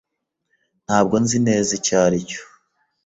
Ntabwo nzi neza icyo aricyo.